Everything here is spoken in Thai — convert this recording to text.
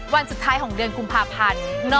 วันสุดท้ายของเดือนกุมภาพันธ์